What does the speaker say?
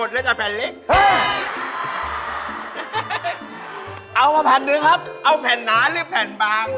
ใส่ขัยที่ใส่ลูกคิ้น